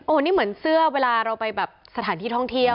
นี่เหมือนเสื้อเวลาเราไปแบบสถานที่ท่องเที่ยว